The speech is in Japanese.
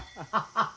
ハハハハ。